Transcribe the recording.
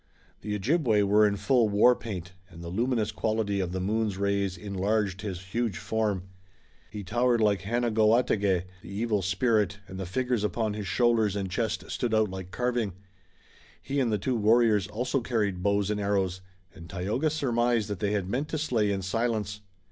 The Ojibway was in full war paint, and the luminous quality of the moon's rays enlarged his huge form. He towered like Hanegoategeh, the Evil Spirit, and the figures upon his shoulders and chest stood out like carving. He and the two warriors also carried bows and arrows, and Tayoga surmised that they had meant to slay in silence.